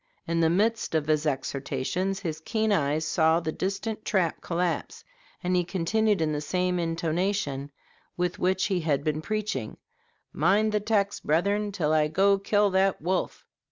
In the midst of his exhortations his keen eyes saw the distant trap collapse, and he continued in the same intonation with which he had been preaching, "Mind the text, brethren, till I go kill that wolf!"